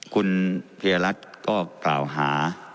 คุณเพียรัตน์ก็กล่าวหา